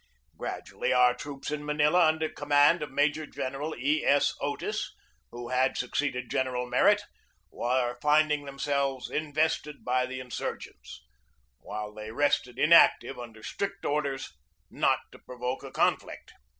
Gradually our troops in Manila under command of Major General E. S. Otis, who had succeeded General Merritt, were finding themselves invested by the in surgents, while they rested inactive under strict orders not to provoke a conflict.